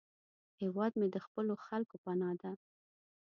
هیواد مې د خپلو خلکو پناه ده